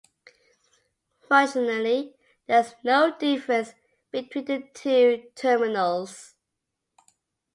Functionally, there is no difference between the two terminals.